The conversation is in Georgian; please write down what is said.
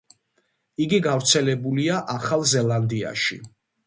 იგი გავრცელებულია ახალ ზელანდიაში.